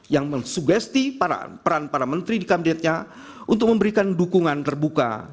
yang mensugesti peran para menteri di kabinetnya untuk memberikan dukungan terbuka